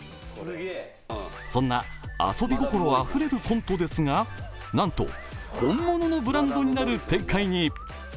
そんな遊び心あふれるコントですがなんと本物のブランドになる展開に。